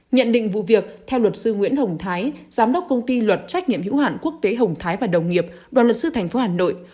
nhận định vụ việc theo luật sư nguyễn hồng thái giám đốc công ty luật trách nhiệm hữu hạn quốc tế hồng thái và đồng nghiệp đoàn luật sư tp hà nội